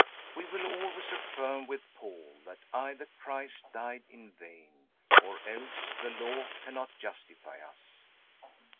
We will always affirm with Paul that either Christ died in vain, or else the Law cannot justify us.